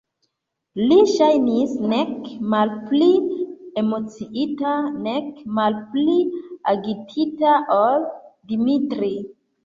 Li ŝajnis nek malpli emociita nek malpli agitita ol Dimitri.